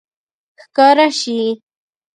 ښکاره شي